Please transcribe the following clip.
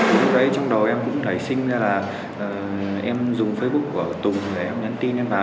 thì lúc đấy trong đầu em cũng nảy sinh ra là em dùng facebook của tùng để em nhắn tin em vào